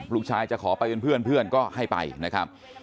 จะขอไปเป็นเพื่อนก็ให้ไปนะครับ